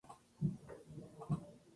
Es pariente del activista John Francis.